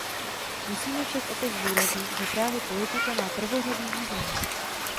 Musíme však opět zdůraznit, že právě politika má prvořadý význam.